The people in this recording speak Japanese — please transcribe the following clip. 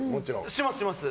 します、します。